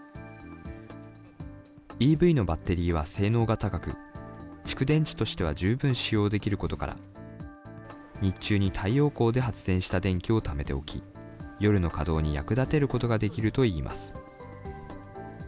ＥＶのバッテリーは性能が高く、蓄電池としては十分使用できることから、日中に太陽光で発電した電気をためておき、夜の稼働に役立てることができるといいます。